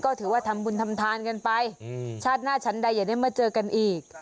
ก็ถือว่าทำบุญทำทานกันไปชาติหน้าชั้นใดอย่าได้มาเจอกันอีก